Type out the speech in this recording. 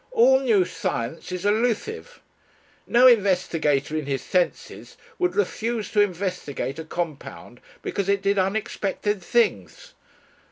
All new science is elusive. No investigator in his senses would refuse to investigate a compound because it did unexpected things.